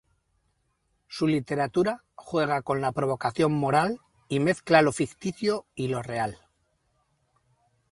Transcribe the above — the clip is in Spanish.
Su literatura juega con la provocación moral y mezcla lo ficticio y lo real.